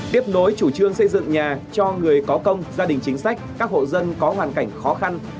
tiếp nối chủ trương xây dựng nhà cho người có công gia đình chính sách các hộ dân có hoàn cảnh khó khăn